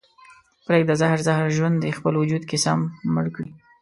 پرېږده زهر زهر ژوند دې خپل وجود کې سم مړ کړي